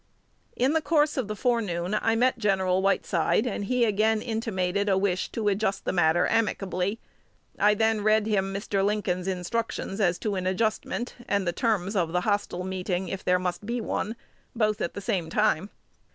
In the course of the forenoon I met Gen. Whiteside, and he again intimated a wish to adjust the matter amicably. I then read to him Mr. Lincoln's instructions to an adjustment, and the terms of the hostile meeting, if there must be one, both at the same time.